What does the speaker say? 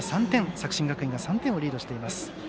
作新学院が３点リードしています。